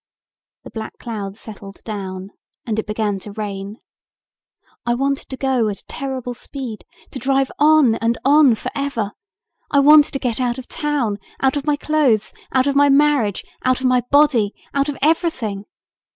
The black clouds settled down and it began to rain. I wanted to go at a terrible speed, to drive on and on forever. I wanted to get out of town, out of my clothes, out of my marriage, out of my body, out of everything.